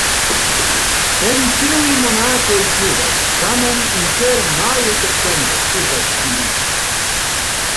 En ĉiuj monatoj pluvas, tamen inter majo-septembro pluvas pli.